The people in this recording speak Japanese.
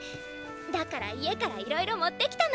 だから家から色々持ってきたの！